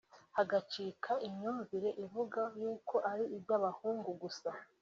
hagacika imyumvire ivuga yuko ari iby’abahungu gusa